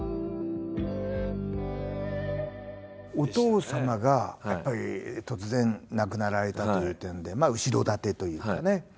お父様がやっぱり突然亡くなられたという点でまあ後ろ盾というかね